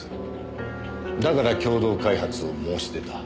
だから共同開発を申し出た。